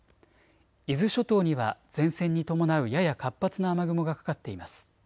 伊豆諸島には前線に伴うやや活発な雨雲がかかっています。